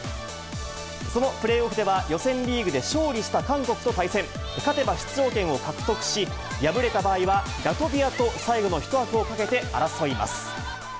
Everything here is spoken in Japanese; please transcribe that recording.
そのプレーオフでは、予選リーグで勝利した韓国と対戦。勝てば出場権を獲得し、敗れた場合は、ラトビアと最後の１枠をかけて争います。